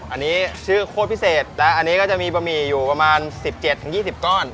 อันนี้ชื่อโคตรพิเศษและอันนี้ก็จะมีบะหมี่อยู่ประมาณ๑๗๒๐ก้อน